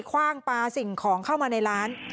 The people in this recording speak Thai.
คว่างปลาสิ่งของเข้ามาในร้าน